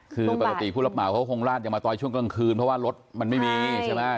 คือปกติผู้รับเหมาเขาคงลาดยังมาตอนช่วงกลางคืนเพราะว่ารถมันไม่มีใช่ไหม